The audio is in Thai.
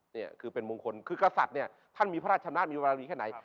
เนี่ยคือเป็นมงคลคือกษัตริย์เนี่ยท่านมีพระราชนาจมีบารมีแค่ไหน